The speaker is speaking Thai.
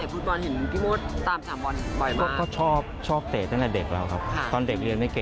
พี่ปราโมทแสงสอนสวัสดีค่ะ